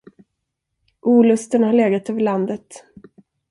Olusten har legat över landet.